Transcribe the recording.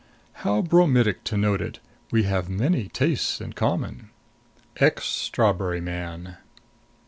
How bromidic to note it we have many tastes in common! EX STRAWBERRY MAN.